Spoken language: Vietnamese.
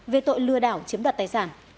về tội lừa đảo chiếm đạt tài sản